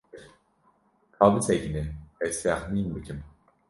Ka bisekine ez texmîn bikim.